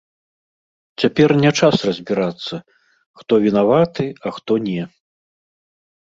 Цяпер не час разбірацца, хто вінаваты, а хто не.